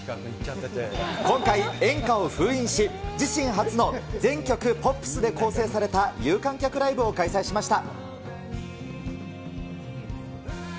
今回、演歌を封印し、自身初の全曲ポップスで構成された有観客ライブを開催しました。